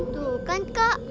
tuh kan kak